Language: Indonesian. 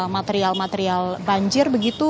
material material banjir begitu